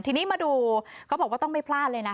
ทีนี้มาดูเขาบอกว่าต้องไม่พลาดเลยนะ